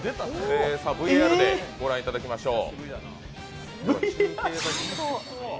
ＶＡＲでご覧いただきましょう。